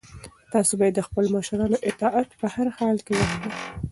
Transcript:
تاسو باید د خپلو مشرانو اطاعت په هر حال کې وکړئ.